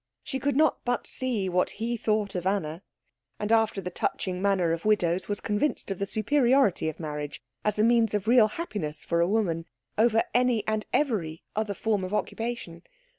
She could not but see what he thought of Anna; and after the touching manner of widows, was convinced of the superiority of marriage, as a means of real happiness for a woman, over any and every other form of occupation.